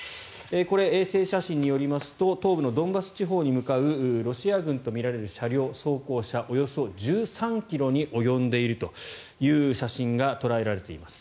これ、衛星写真によりますと東部のドンバス地方に向かうロシア軍とみられる車両、走行車およそ１３ｋｍに及んでいるという写真が捉えられています。